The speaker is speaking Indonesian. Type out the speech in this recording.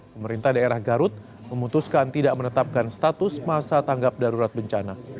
pemerintah daerah garut memutuskan tidak menetapkan status masa tanggap darurat bencana